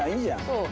そう。